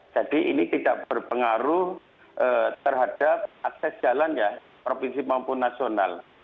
jadi ini tidak berpengaruh terhadap akses jalan provinsi maupun nasional